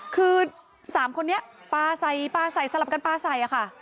คือ๓คนนี้ปลาใส่ปลาใส่สลับกันปลาใส่ค่ะ